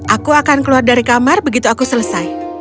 aku akan keluar dari kamar begitu aku selesai